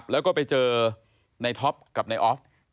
แล้วก็ไปเจอในท็อปกับนายออฟ